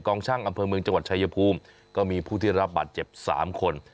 ช่างอำเภอเมืองจังหวัดชายภูมิก็มีผู้ที่รับบาดเจ็บ๓คน